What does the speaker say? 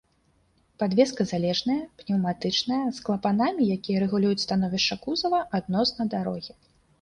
Падвеска залежная, пнеўматычная з клапанамі, якія рэгулююць становішча кузава адносна дарогі.